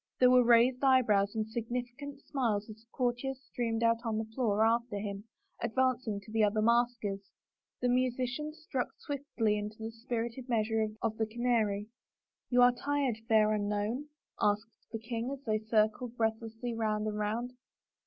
There were raised eyebrows and sig nificant smiles as the courtiers streamed out on the floor after him, advancing to the other maskers. The musi 49 THE FAVOR OF KINGS cians struck swiftly into the spirited measure of the canary. " You are tired, fair unknown ?" asked the king as they circled breathlessly round and round.